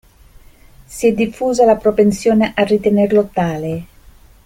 Si è diffusa la propensione a ritenerlo tale.